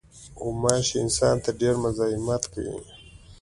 غوماشې انسان ته ډېر مزاحمت کوي.